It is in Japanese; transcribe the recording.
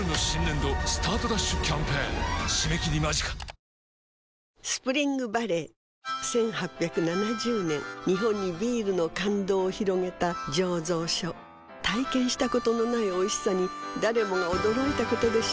「ソフランプレミアム消臭」スプリングバレー１８７０年日本にビールの感動を広げた醸造所体験したことのないおいしさに誰もが驚いたことでしょう